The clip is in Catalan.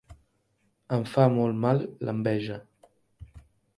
Em fa molt mal l'enveja.